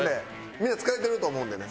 みんな疲れてると思うんでね。